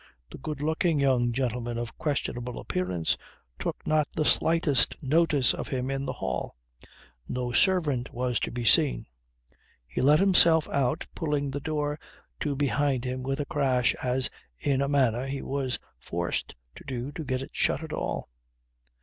The good looking young gentleman of questionable appearance took not the slightest notice of him in the hall. No servant was to be seen. He let himself out pulling the door to behind him with a crash as, in a manner, he was forced to do to get it shut at all.